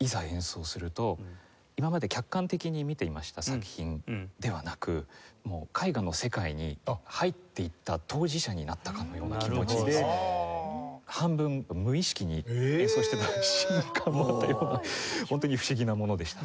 演奏すると今まで客観的に見ていました作品ではなく絵画の世界に入っていった当事者になったかのような気持ちで半分無意識に演奏してた瞬間もあったようなホントに不思議なものでした。